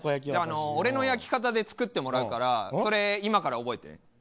俺の焼き方で作ってもらうから今から覚えて。